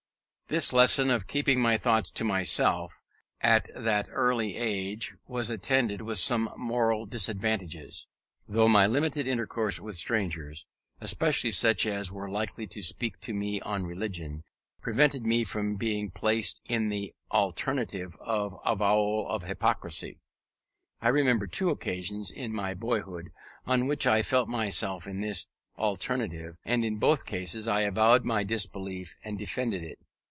This lesson of keeping my thoughts to myself, at that early age, was attended with some moral disadvantages; though my limited intercourse with strangers, especially such as were likely to speak to me on religion, prevented me from being placed in the alternative of avowal or hypocrisy. I remember two occasions in my boyhood, on which I felt myself in this alternative, and in both cases I avowed my disbelief and defended it.